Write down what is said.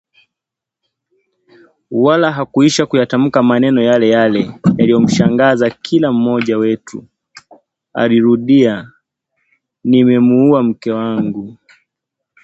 Wala hakuisha kuyatamka maneno yale yale yaliyomshangaza kila mmoja wetu, alirudia “…nimemuuwa mke wangu…